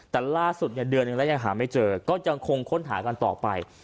แต่ล่าสุดเนี่ยเดือนหนึ่งแล้วยังหาไม่เจอก็ยังคงค้นหากันต่อไป